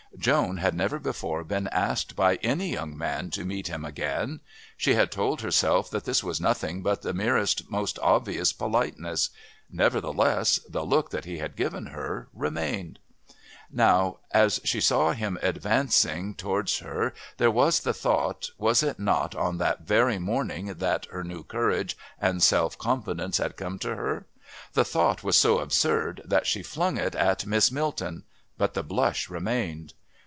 Joan had never before been asked by any young man to meet him again. She had told herself that this was nothing but the merest, most obvious politeness; nevertheless the look that he had given her remained. Now, as she saw him advancing towards her, there was the thought, was it not on that very morning that her new courage and self confidence had come to her? The thought was so absurd that she flung it at Miss Milton. But the blush remained.